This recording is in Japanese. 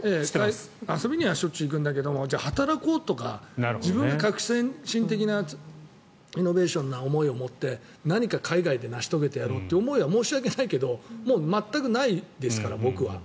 遊びにはしょちゅう行くんだけど働こうとか自分が革新的なイノベーションな思いを持って何か海外で成し遂げてやろうという思いは申し訳ないけどもう全くないですから僕は。